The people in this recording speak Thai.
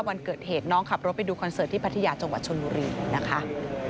วันเกิดเหตุน้องขับรถไปดูคอนเสิร์ตที่พัทยาจังหวัดชนบุรีนะคะ